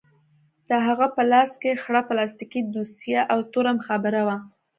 د هغه په لاس کښې خړه پلاستيکي دوسيه او توره مخابره وه.